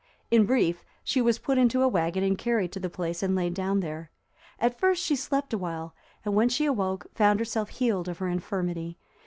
In brief, she was put into a wagon and carried to the place and laid down there. At first she slept awhile, and when she awoke, found herself healed of her infirmity.